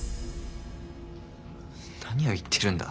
何を言ってるんだ。